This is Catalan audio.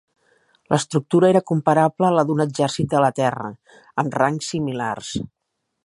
L'estructura era comparable a la d'un exèrcit de la Terra, amb rangs similars.